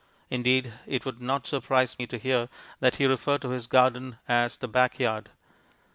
Indeed, it would not surprise me to hear that he referred to his garden as "the back yard."